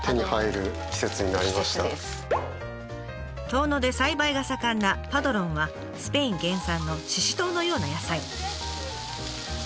遠野で栽培が盛んなパドロンはスペイン原産のししとうのような野菜。